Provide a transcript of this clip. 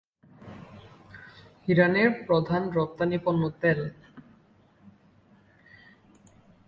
ইরানের প্রধান রপ্তানিপণ্য তেল।